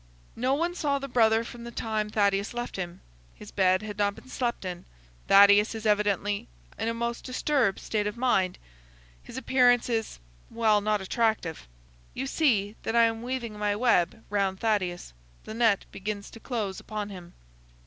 No one saw the brother from the time Thaddeus left him. His bed had not been slept in. Thaddeus is evidently in a most disturbed state of mind. His appearance is—well, not attractive. You see that I am weaving my web round Thaddeus. The net begins to close upon him."